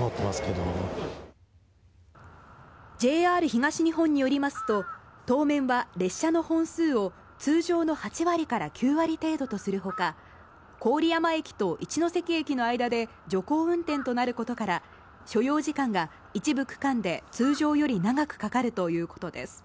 ＪＲ東日本によりますと当面は列車の本数を通常の８割から９割程度とする他郡山駅と一ノ関駅の間で徐行運転となることから所要時間が一部区間で通常より長くかかるということです。